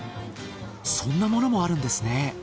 そんなものもあるんですね。